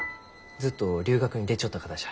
ずっと留学に出ちょった方じゃ。